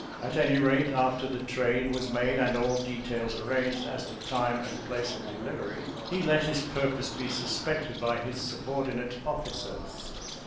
At any rate, after the trade was made and all details arranged as to time and place of delivery, he let his purpose be sus pected by his subordinate oflSlcers.